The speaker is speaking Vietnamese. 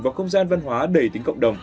vào không gian văn hóa đầy tính cộng đồng